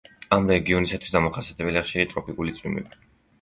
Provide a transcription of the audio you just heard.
ამ რეგიონისათვის დამახასიათებელია ხშირი ტროპიკული წვიმები.